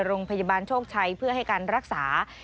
โรงพยาบาลโชคชัยเพื่อให้การรักษา